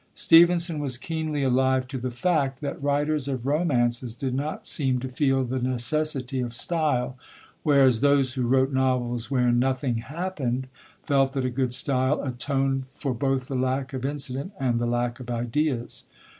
Stevenson was keenly alive to the fact that writers of romances did not seem to feel the necessity of style; whereas those who wrote novels wherein nothing happened, felt that a good style atoned for both the lack of incident and the lack of ideas.